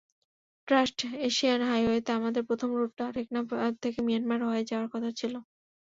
Trans-Asian হাইওয়েতে আমাদের প্রথম রুটটা টেকনাফ থেকে মিয়ানমার হয়ে যাওয়ার কথা ছিল।